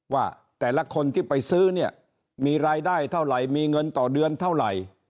ว่าแต่ละคนที่ไปซื้อเนี่ยมีรายได้เท่าไหร่มีเงินต่อเดือนเท่าไหร่